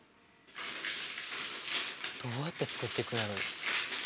どうやってつくっていくんやろう？